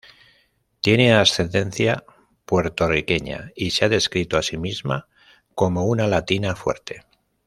Tiene ascendencia puertorriqueña y se ha descrito a sí misma como una "Latina fuerte".